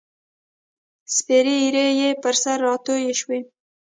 سپیرې ایرې یې پر سر راتوی شوې